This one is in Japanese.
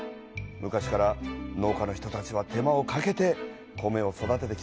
昔から農家の人たちは手間をかけて米を育ててきたんだねえ。